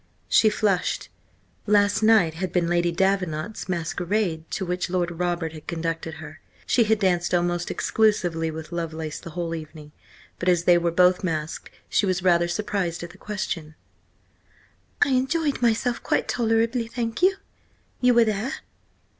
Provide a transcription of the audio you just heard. She flushed. Last night had been Lady Davenant's masquerade, to which Lord Robert had conducted her. She had danced almost exclusively with Lovelace the whole evening, but as they were both masked, she was rather surprised at the question. "I enjoyed myself quite tolerably, thank you. You were there?"